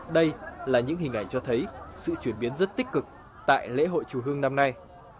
đây là những hình ảnh cho thấy sự chuyển biến rất tích cực tại lễ hội chùa hương năm nay